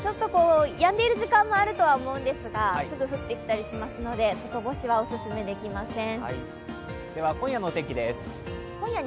やんでいる時間もあるとは思うんですが、すぐ降ってきたりしますので、外干しはお薦めできません。